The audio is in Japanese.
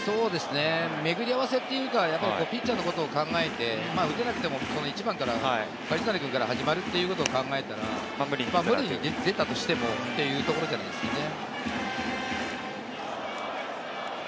巡り合わせというか、ピッチャーのことを考えて、打てなくても１番・梶谷くんから始まるということを考えたら無理に出たとしてもというところですね。